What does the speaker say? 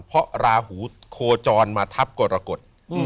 เพราะราหูโคจรมาทับกรกฎ